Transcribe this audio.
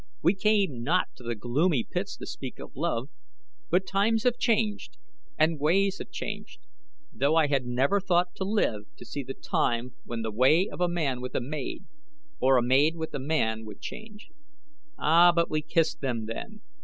We came not to the gloomy pits to speak of love; but times have changed and ways have changed, though I had never thought to live to see the time when the way of a man with a maid, or a maid with a man would change. Ah, but we kissed them then!